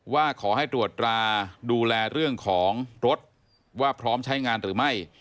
ว่าขอให้ตรวจราดูแลเรื่องของรถว่าพร้อมใช้งานหรือไม่